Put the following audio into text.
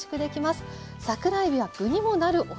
桜えびは具にもなるおだしです。